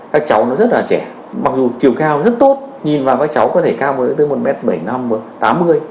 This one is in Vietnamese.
các cháu nó rất là trẻ mặc dù chiều cao rất tốt nhìn vào các cháu có thể cao tới một m bảy mươi năm một m tám mươi